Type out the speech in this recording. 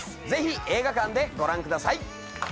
ぜひ映画館でご覧ください。